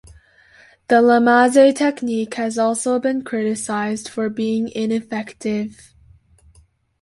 The Lamaze technique has also been criticized for being ineffective.